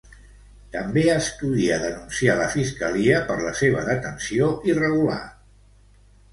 També estudia denunciar la Fiscalia per la seva detenció irregular.